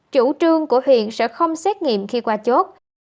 chủ trương của huyện sẽ không xét nghiệm khi qua chốt